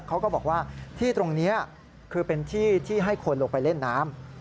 เขาก็บอกว่าที่ตรงนี้คือเป็นที่ที่ให้คนลงไปเล่นน้ำ